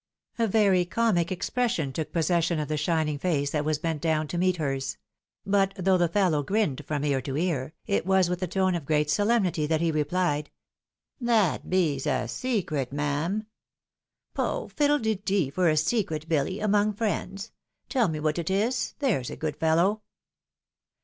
" A very comic expression took possession of the shining face that was bent down to meet hers : but, though the fellow grinned from ear to ear, it was with a tone of great solemnity that he repHed, " That bees a secret, mam !"" Poh ! fiddle de de for a secret, Billy, among friends ; teU me what it is, there's a good fellow."